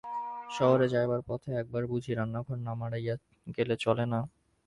শহরে যাইবার পথে এক বার বুঝি রান্নাঘর না মাড়াইয়া গেলে চলে না?